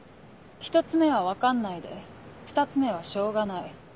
１つ目は「分かんない」で２つ目は「しょうがない」。